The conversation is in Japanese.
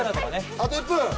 あと１分！